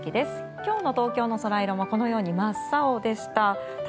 今日の東京のソライロもこのように真っ青でした。